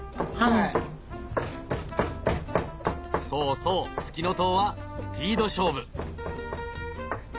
そうそうフキノトウはスピード勝負。